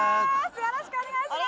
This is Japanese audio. よろしくお願いします。